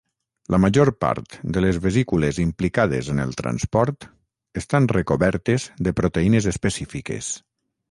La major part de les vesícules implicades en el transport estan recobertes de proteïnes específiques.